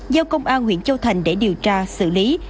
giao công an huyện châu thành để điều tra xử lý